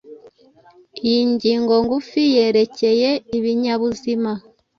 Iyi ngingo ngufi yerekeye ibinyabuzima